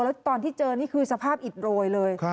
แล้วตอนที่เจอนี่คือสภาพอิดโรยเลย